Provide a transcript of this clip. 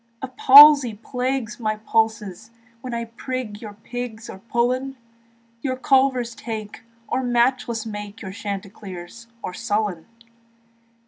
The palsy plagues my pulses When I prig your pigs or pullen, Your culvers take, or matchless make Your Chanticleer or Sullen.